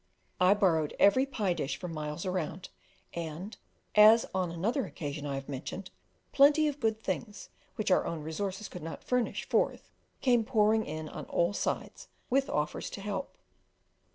I borrowed every pie dish for miles round, and, as on another occasion I have mentioned, plenty of good things which our own resources could not furnish forth came pouring in on all sides with offers to help.